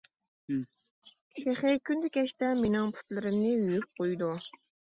تېخى كۈندە كەچتە مېنىڭ پۇتلىرىمنى يۇيۇپ قويىدۇ.